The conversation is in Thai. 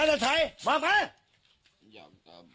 เออ